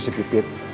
suka bikin kesel